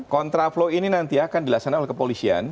kontraflow ini nanti akan dilaksanakan oleh kepolisian